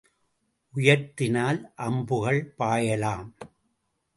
உயர்த்தினால் அம்புகள் பாயலாம்.